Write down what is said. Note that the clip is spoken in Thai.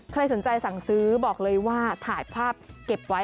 ใครสนใจสั่งซื้อบอกเลยว่าถ่ายภาพเก็บไว้